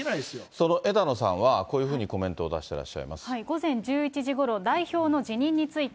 その枝野さんは、こういうふうにコメントを出してらっしゃい午前１１時ごろ、代表の辞任について。